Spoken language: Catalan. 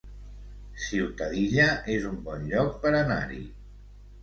Ciutadilla es un bon lloc per anar-hi